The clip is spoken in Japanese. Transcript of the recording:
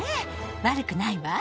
悪くないわ。